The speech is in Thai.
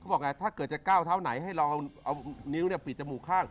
บอกไงถ้าเกิดจะก้าวเท้าไหนให้เราเอานิ้วปิดจมูกข้าง